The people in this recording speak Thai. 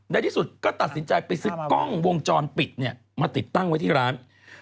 ในที่สุดก็ตัดสินใจไปซื้อกล้องวงจรปิดเนี่ยมาติดตั้งไว้ที่ร้าน